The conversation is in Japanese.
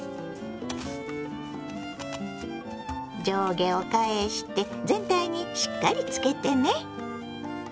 上下を返して全体にしっかりつけてね。